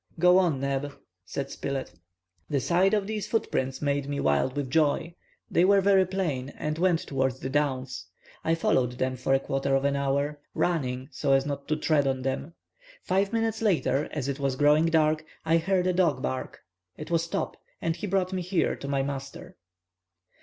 "Go on, Neb," said Spilett. "The sight of these footprints made me wild with joy. They were very plain, and went towards the downs. I followed them for a quarter of an hour, running so as not to tread on them. Five minutes later, as it was growing dark, I heard a dog bark. It was Top. And he brought me here, to my master."